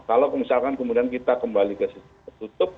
kalau misalkan kemudian kita kembali ke sistem tertutup